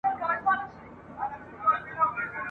ډېر پخوا د نیل د سیند پر پوري غاړه !.